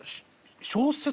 小説。